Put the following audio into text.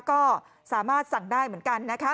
ก็สามารถสั่งได้เหมือนกันนะคะ